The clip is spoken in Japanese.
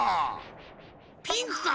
ピンクか？